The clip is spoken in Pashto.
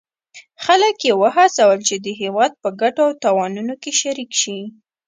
خلک یې وهڅول چې د هیواد په ګټو او تاوانونو کې شریک شي.